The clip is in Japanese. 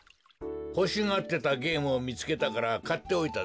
ほしがってたゲームをみつけたからかっておいたぞ。